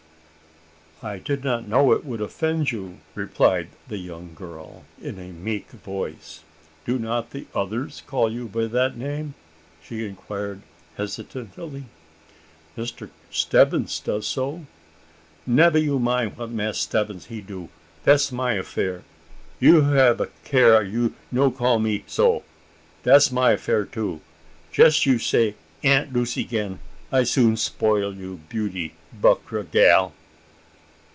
"I did not know it would offend you," replied the young girl, in a meek voice. "Do not the others call you by that name?" she inquired hesitatingly. "Mr Stebbins does so?" "Nebba you mind what Mass' Stabbins he do; da's my affair. You hab a care you no call me so. Da's my affair, too. Jes you say Aunt Lucy 'gain, I soon spoil you' beauty, buckra gal."